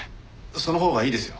そのほうがいいですよ。